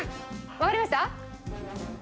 わかりました？